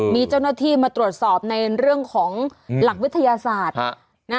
มีเจ้าหน้าที่มาตรวจสอบในเรื่องของหลักวิทยาศาสตร์